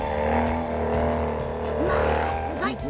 まあすごい！